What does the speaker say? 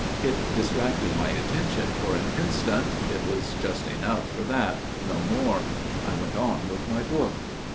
It distracted my attention for an instant it was just enough for that ; no more. I went on with my book.